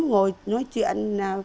ngồi nói chuyện